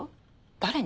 誰に？